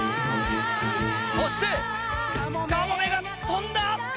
そしてかもめが飛んだ！